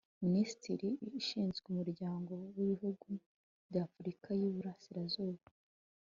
minisiteri ishinzwe umuryango w'ibihugu by'afurika y'iburasirazuba